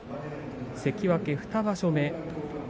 関脇２場所目。